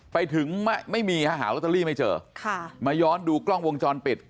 ไปถึงไม่มีฮะหาลอตเตอรี่ไม่เจอค่ะมาย้อนดูกล้องวงจรปิด